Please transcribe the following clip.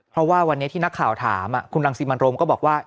เพราะว่าวันนี้ที่นักข่าวถามคุณรังสิมันโรมก็บอกว่า